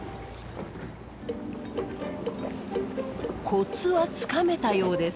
コツはつかめたようです。